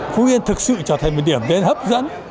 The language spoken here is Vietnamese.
phú yên thực sự trở thành một điểm đến hấp dẫn